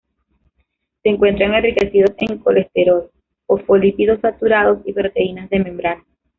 Se encuentran enriquecidos en colesterol, fosfolípidos saturados y proteínas de membrana.